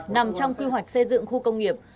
nằm trong kư hoạch xây dựng khu công nghiệp